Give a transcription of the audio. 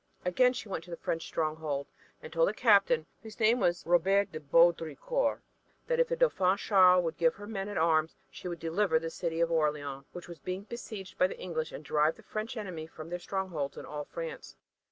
Again she went to the French stronghold and told the captain, whose name was Robert de Baudricourt, that if the Dauphin Charles would give her men at arms she would deliver the city of Orleans, which was being besieged by the English, and drive the English enemy from their strongholds in all France.